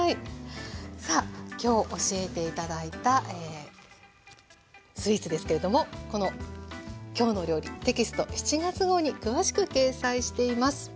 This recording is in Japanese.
さあ今日教えて頂いたスイーツですけれどもこの「きょうの料理」テキスト７月号に詳しく掲載しています。